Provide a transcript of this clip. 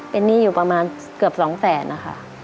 เป็นหนี้อยู่ประมาณเกือบ๒แสนนะคะ